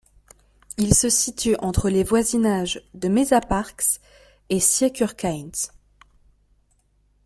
Il se situe entre les voisinages de Mežaparks et Čiekurkalns.